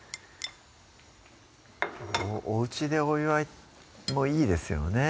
おうちでお祝いもいいですよね